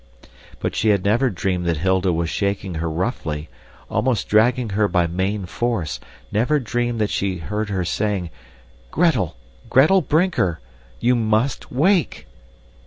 But she had never dreamed that Hilda was shaking her roughly, almost dragging her by main force; never dreamed that she heard her saying, "Gretel! Gretel Brinker! You MUST wake!"